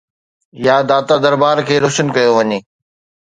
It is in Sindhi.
يا داتا درٻار کي روشن ڪيو وڃي؟